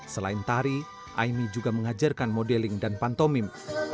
selain tari aimi juga mengajarkan modeling dan pantomim